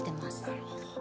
なるほど。